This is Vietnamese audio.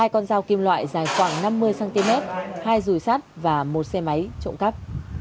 hai con dao kim loại dài khoảng năm mươi cm hai dùi sắt và một xe máy trộm cắp